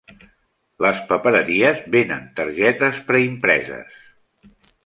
Les papereries venen targetes preimpreses.